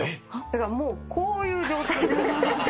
だからもうこういう状態で。